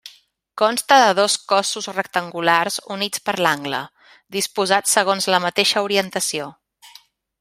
Consta de dos cossos rectangulars units per l'angle, disposats segons la mateixa orientació.